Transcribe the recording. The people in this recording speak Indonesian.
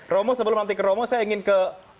romo sebelum nanti ke romo saya ingin ke